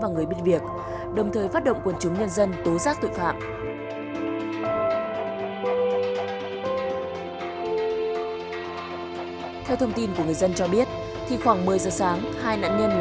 người bị thương trú tại huyện thanh trương tỉnh nghệ an